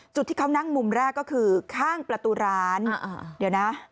จุดที่เขานั่งมุมแรกก็คือข้างประตูร้านเดี๋ยวนะ